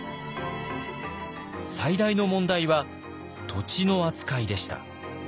最大の問題は土地の扱いでした。